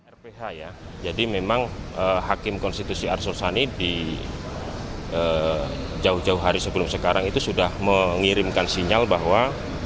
rph ya jadi memang hakim konstitusi arsul sani di jauh jauh hari sebelum sekarang itu sudah mengirimkan sinyal bahwa